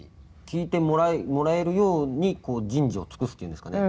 聴いてもらえるように人事を尽くすっていうんですかね